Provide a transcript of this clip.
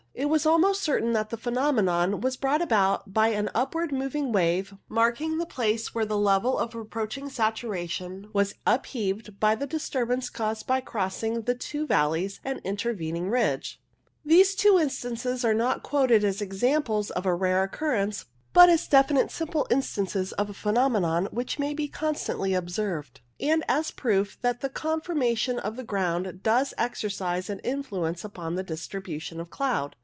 It is almost certain that the phenomenon was brought about by an upward moving wave marking the place where the level of approaching saturation was upheaved by the disturbance caused by crossing the two valleys and intervening ridge. 132 WAVE CLOUDS These two instances are not quoted as examples of a rare occurrence, but as definite simple instances of a phenomenon which may be constantly observed, and as proof that the conformation of the ground does exercise an influence upon the distribution of cloud.